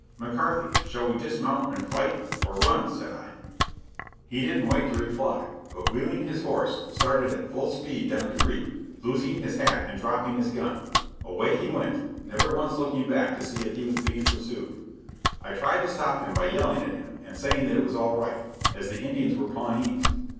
"McCarthy, shall we dismount and fight, or run?" said I. He didn't wait to reply, but wheeling his horse, started at full speed down the creek, losing his hat and dropping his gun; away he went, never once looking back to see if he was being pursued. I tried to stop him by yelling at him and saying that it was all right, as the Indians were Pawnees.